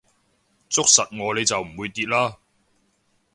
捉實我你就唔會跌啦